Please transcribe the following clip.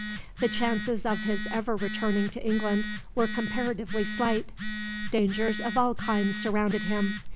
The chances of his ever returning to England were comparatively slight. Dangers of all kinds surrounded him.